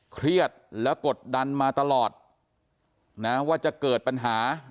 เครียดและกดดันมาตลอดนะว่าจะเกิดปัญหา